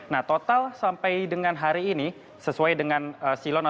nah total sampai dengan hari ini sesuai dengan silon